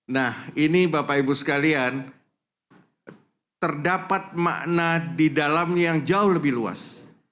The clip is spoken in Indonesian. nah ini bapak ibu sekalian terdapat makna di dalamnya yang jauh lebih luas